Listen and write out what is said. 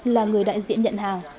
là người đại diện nhận hàng